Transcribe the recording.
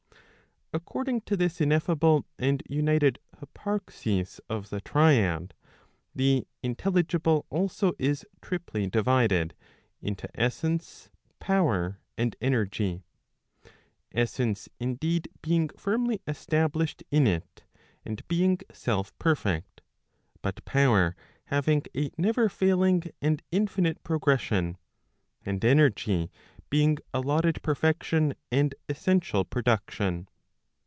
According to this ineffable and united hyparxis of the triad, the intelligible also is triply divided into essence, power, and energy; essence indeed, being fiinly established in it, and being self perfect; but power having a never failing and infinite progression; and energy being allotted perfection, and essential production.